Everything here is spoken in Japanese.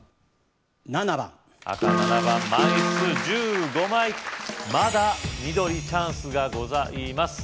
７番赤７番枚数１５枚まだ緑チャンスがございます